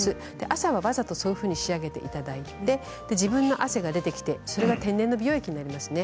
朝は、わざとそのように仕上げていただいて自分の汗が出てきて天然の美容液になります。